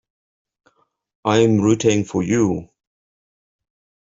I'm rooting for you!.